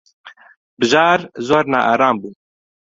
بژار زۆر نائارام بوو.